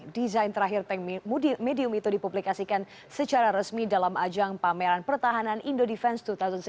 desain terakhir tank medium itu dipublikasikan secara resmi dalam ajang pameran pertahanan indo defense dua ribu tujuh belas